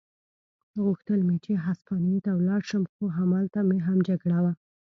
غوښتل مې چې هسپانیې ته ولاړ شم، خو همالته هم جګړه وه.